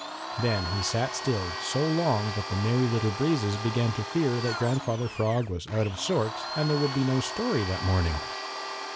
Then he sat still so long that the Merry Little Breezes began to fear that Grandfather Frog was out of sorts and that there would be no story that morning.